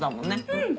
うん。